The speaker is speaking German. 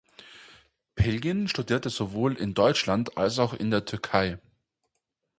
Bilgin studierte sowohl in Deutschland als auch in der Türkei.